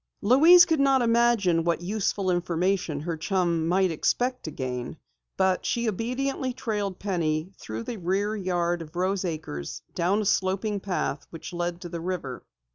Louise could not imagine what useful information her chum might expect to gain, but she obediently trailed Penny through the rear yard of Rose Acres, down a sloping path which led to the river.